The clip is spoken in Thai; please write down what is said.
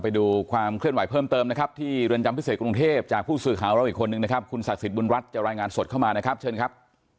พาคุณผู้ชมมาดูภาพมุมสูงกันหน่อยนะครับ